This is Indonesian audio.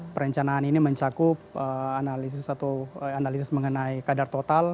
perencanaan ini mencakup analisis mengenai kadar total